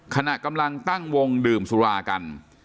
ขณะกำลังตั้งวงดื่มสุรากัน